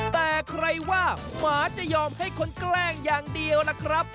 แต่ใครว่าหมาจะยอมให้คนแกล้งอย่างเดียวล่ะครับ